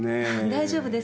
大丈夫ですよ